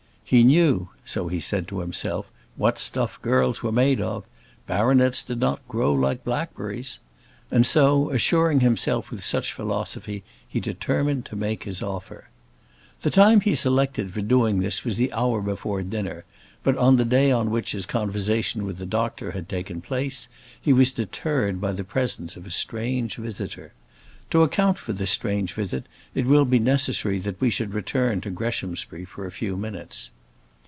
"He knew," so he said to himself, "what stuff girls were made of. Baronets did not grow like blackberries." And so, assuring himself with such philosophy, he determined to make his offer. The time he selected for doing this was the hour before dinner; but on the day on which his conversation with the doctor had taken place, he was deterred by the presence of a strange visitor. To account for this strange visit it will be necessary that we should return to Greshamsbury for a few minutes.